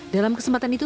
dalam kesempatan itu